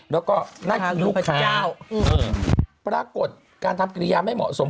และก็รูปค้าปรากฎการทำกิริยาไม่เหมาะสม